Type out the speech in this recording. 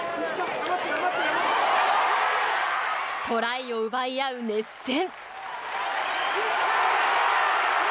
トライを奪い合う熱戦。